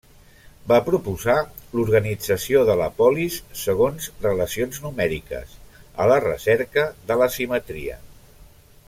Va proposar l'organització de la polis segons relacions numèriques, a la recerca de la simetria.